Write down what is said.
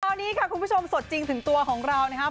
ตอนนี้ค่ะคุณผู้ชมสดจริงถึงตัวของเรานะครับ